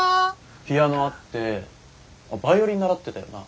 ピアノあってあっバイオリン習ってたよな？